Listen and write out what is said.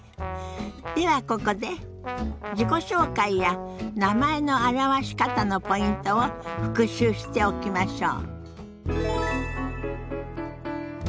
ではここで自己紹介や名前の表し方のポイントを復習しておきましょう。